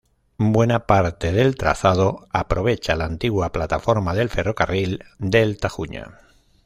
Buena parte del trazado aprovecha la antigua plataforma del Ferrocarril del Tajuña.